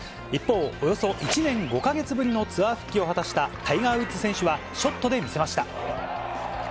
一方、およそ１年５か月ぶりのツアー復帰を果たしたタイガー・ウッズ選手は、ショットで見せました。